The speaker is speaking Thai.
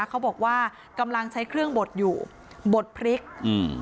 เขาบอกว่ากำลังใช้เครื่องบดอยู่บดพริกอืม